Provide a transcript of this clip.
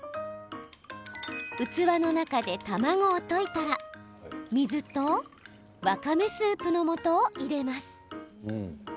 器の中で卵を溶いたら水とわかめスープのもとを入れます。